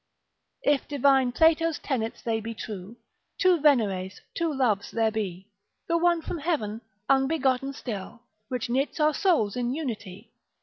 If divine Plato's tenets they be true, Two Veneres, two loves there be, The one from heaven, unbegotten still, Which knits our souls in unity.